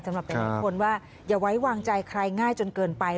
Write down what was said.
หลายคนว่าอย่าไว้วางใจใครง่ายจนเกินไป